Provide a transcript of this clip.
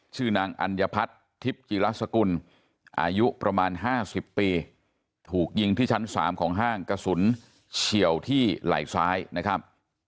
ชื่อนางอัญพัฒน์ทิพย์จีรสกุลอายุประมาณ๕๐ปีถูกยิงที่ชั้น๓ของห้างกระสุนเฉียวที่ไหล่ซ้ายนะครับ